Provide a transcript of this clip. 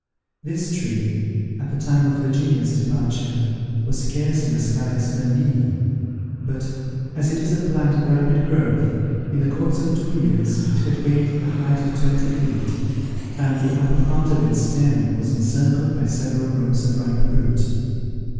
This tree, at the time of Virginia's departure, was scarcely as high as her knee; but, as it is a plant of rapid growth, in the course of two years it had gained the height of twenty feet, and the upper part of its stem was encircled by several rows of ripe fruit.